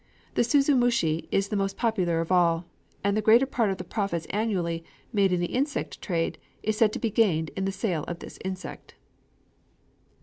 The suzumushi is the most popular of all; and the greater part of the profits annually made in the insect trade is said to be gained on the sale of this insect.